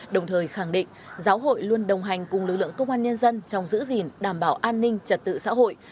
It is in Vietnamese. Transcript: đồng thời khẳng định giáo hội luôn đồng hành cùng lực lượng công an nhân dân trong giữ gìn đảm bảo an ninh trật tự xã hội